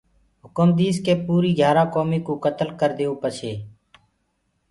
هُڪم ديس ڪي پوريٚ گھِيآرآ ڪوميٚ ڪو ڪتلَ ڪرَديئو پڇي